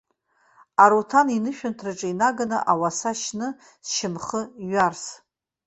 Аруҭан инышәынҭраҿы инаганы ауаса шьны, сшьамхы ҩарс.